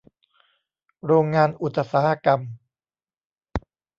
โรงงานอุตสาหกรรม